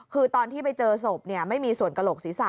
คือตอนที่ไปเจอศพไม่มีส่วนกระโหลกศีรษะ